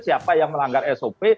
siapa yang melanggar sop